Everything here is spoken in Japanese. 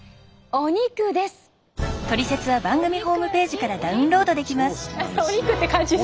お肉って感じする。